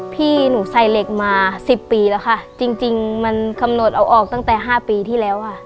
พี่หนูใส่เหล็กมาสิบปีแล้วค่ะจริงจริงมันกำหนดเอาออกตั้งแต่ห้าปีที่แล้วค่ะ